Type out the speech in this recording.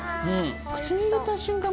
口に入れた瞬間